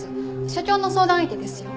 社長の相談相手ですよ。